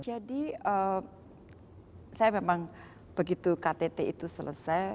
jadi saya memang begitu ktt itu selesai